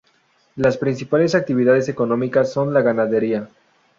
Las principales actividades económicas son la ganadería.